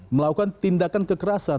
melakukan tindakan kekerasan